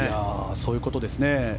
そういうことですね。